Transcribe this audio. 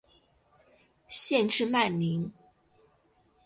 县治曼宁。